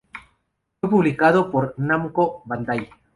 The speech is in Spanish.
Fue publicado por Namco Bandai.